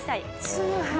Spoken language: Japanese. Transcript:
すごいな。